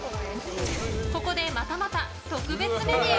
ここでまたまた特別メニュー。